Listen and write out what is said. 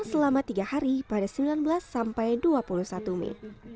selama tiga hari pada sembilan belas sampai dua puluh satu mei